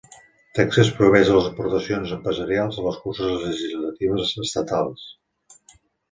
Texas prohibeix les aportacions empresarials a les curses legislatives estatals.